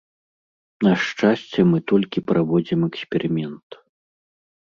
На шчасце, мы толькі праводзім эксперымент.